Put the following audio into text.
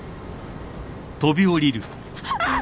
あっ！